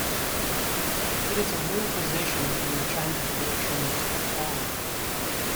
It is a real possession in the changing fortunes of time.